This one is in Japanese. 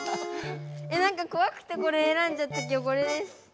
なんかこわくてこれえらんじゃったけどこれです。